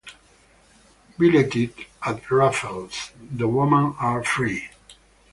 Billeted at Raffles, the women are free.